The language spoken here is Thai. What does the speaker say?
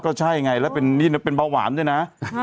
ก็ใช่ไงแล้วเป็นเบาหวานด้วยนะ